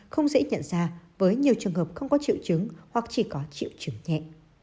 không dễ nhận ra với nhiều trường hợp không có triệu chứng hoặc chỉ có triệu chứng nhẹ